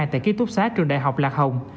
tại ký túc xá trường đại học lạc hồng